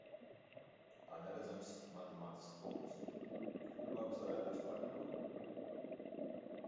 Kā neredzams matemātisks punkts. Tik pat labi es varētu vispār nebūt.